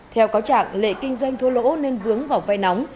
theo cáo trạng lệ kinh doanh thua lỗ nên vướng vào vai nóng